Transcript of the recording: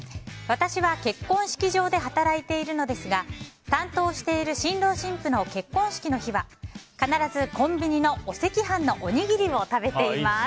私は結婚式場で働いているのですが担当している新郎新婦の結婚式の日は必ずコンビニのお赤飯のおにぎりを食べています。